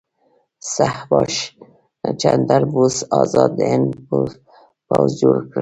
سبهاش چندر بوس ازاد هند پوځ جوړ کړ.